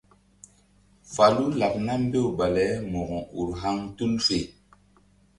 Falu laɓ nam mbew bale Mo̧ko ur haŋ tul fe.